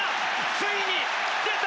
ついに出た！